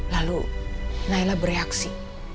lalu nailah bereaksi